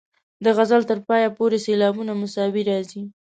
د غزل تر پایه پورې سېلابونه مساوي راځي.